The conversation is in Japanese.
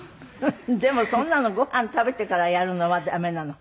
でもそんなのご飯食べてからやるのは駄目なの？